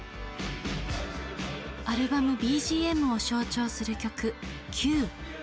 アルバム「ＢＧＭ」を象徴する曲「ＣＵＥ」。